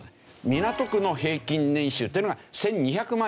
港区の平均年収というのが１２００万円。